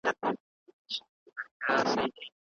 شتمني د انسان اخلاق خرابوي.